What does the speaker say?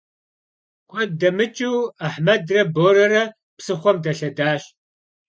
Kued demıç'ıu Ahmedre Borere psıxhuem delhedaş.